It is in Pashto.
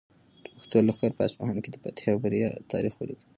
د پښتنو لښکر په اصفهان کې د فتحې او بریا تاریخ ولیکه.